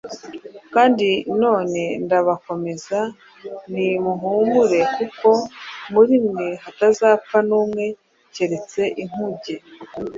Kandi none ndabakomeza, nimuhumure kuko muri mwe hatazapfa n’umwe keretse inkuge,